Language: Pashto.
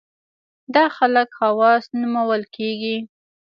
دا خلک خواص نومول کېږي.